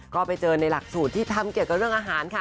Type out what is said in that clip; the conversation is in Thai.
ก็ไปเจอในหลักสูตรที่ทำเกี่ยวกับเรื่องอาหารค่ะ